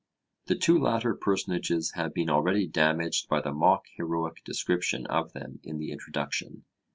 The two latter personages have been already damaged by the mock heroic description of them in the introduction.